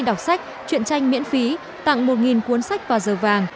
đọc sách chuyện tranh miễn phí tặng một cuốn sách và giờ vàng